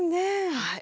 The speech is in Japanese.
はい。